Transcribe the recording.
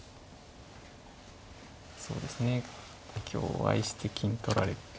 そうですね香合いして金取られては。